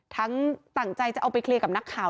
ตั้งใจจะเอาไปเคลียร์กับนักข่าว